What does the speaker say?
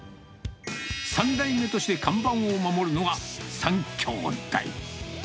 ３代目として看板を守るのが、３兄弟。